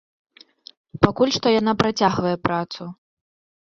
Пакуль што яна працягвае працу.